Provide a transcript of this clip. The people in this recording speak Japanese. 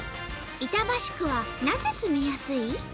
板橋区はなぜ住みやすい？